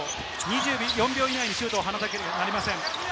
２４秒以内にシュートを放たなければなりません。